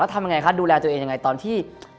ทำยังไงคะดูแลตัวเองยังไงตอนที่